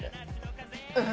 うん。